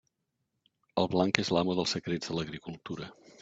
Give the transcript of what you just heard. El blanc és l'amo dels secrets de l'agricultura.